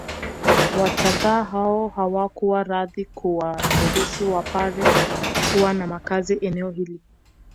Wachagga hao hawakuwa radhi kuwaruhusu Wapare kuwa na makazi eneo hili